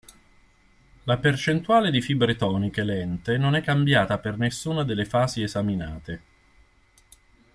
La percentuale di fibre toniche lente non è cambiata per nessuna delle fasi esaminate.